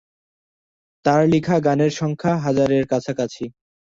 তার লিখা গানের সংখ্যা হাজারের কাছাকাছি।